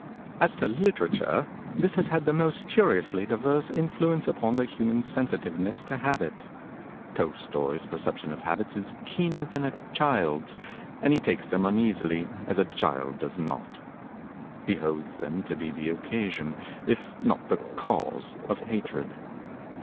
As to literature, this has had the most curiously diverse influence upon the human sensitiveness to habit. Tolstoi's perception of habits is keener than a child's, and he takes them uneasily, as a child does not. He holds them to be the occasion, if not the cause, of hatred.